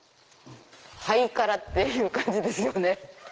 ハイカラっていう感じですよね。